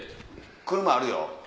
車あるよ